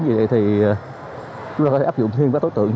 chúng ta có thể áp dụng thiên với tối tượng